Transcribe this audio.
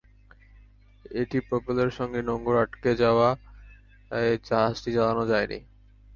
এটির প্রপেলরের সঙ্গে নোঙর আটকে যাওয়ায় জাহাজটি চালানো যায়নি।